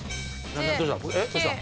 どうした？